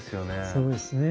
そうですね。